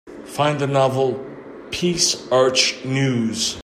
Find the novel Peace Arch News